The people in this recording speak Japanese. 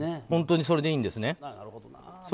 本当にそれでいいんですね。